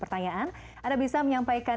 pertanyaan yang akan kita sampaikan